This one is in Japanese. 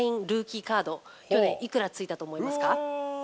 ルーキーカード、去年、いくらついたと思いますか？